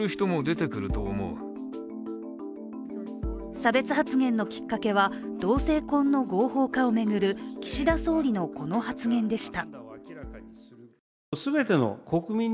差別発言のきっかけは、同性婚の合法化を巡る岸田総理の、この発言でした。